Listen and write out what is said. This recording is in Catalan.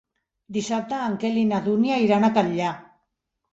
Dissabte en Quel i na Dúnia iran al Catllar.